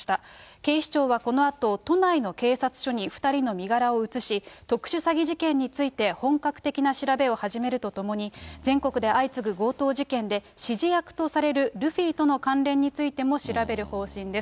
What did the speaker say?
警視庁はこのあと、都内の警察署に２人の身柄を移し、特殊詐欺事件について本格的な調べを始めるとともに、全国で相次ぐ強盗事件で、指示役とされるルフィとの関連についても調べる方針です。